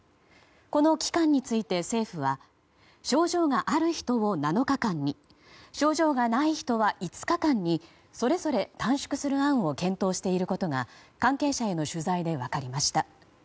この期間について政府は症状がある人を７日間に症状がない人は５日間にそれぞれ短縮する案を検討していることが関係者への取材で分かりました。